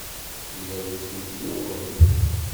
Yella wi tent-yuɣen?